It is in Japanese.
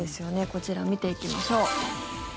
こちらを見ていきましょう。